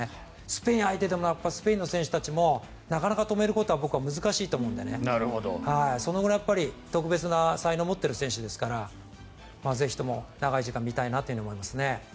スペイン相手でもスペインの選手たちもなかなか止めることは僕は難しいと思うのでそのぐらい特別な才能を持っている選手ですからぜひとも長い時間見たいなと思いますね。